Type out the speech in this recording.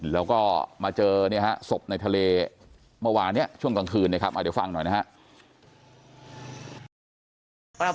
แล้วก็มาเจอเนี่ยฮะศพในทะเลเมื่อวานเนี่ยช่วงกลางคืนนะครับเดี๋ยวฟังหน่อยนะครับ